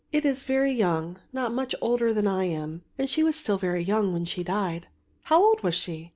It is very young, not much older than I am; she was still very young when she died." "How old was she?"